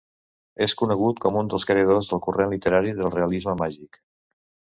És conegut com un dels creadors del corrent literari del realisme màgic.